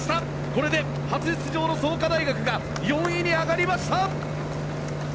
これで初出場の創価大学が４位に上がりました！